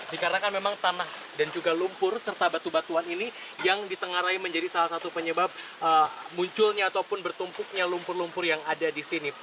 dikarenakan memang tanah dan juga lumpur serta batu batuan ini yang ditengarai menjadi salah satu penyebab munculnya ataupun bertumpuknya lumpur lumpur yang ada di sini